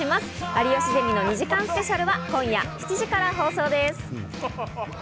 『有吉ゼミ』の２時間スペシャルは今夜７時から放送です。